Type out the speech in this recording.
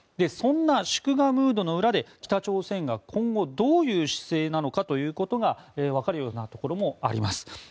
そんな祝賀ムードの裏で北朝鮮が今後どういう姿勢なのかということがわかるようなところもあります。